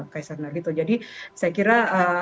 kaisar nargito jadi saya kira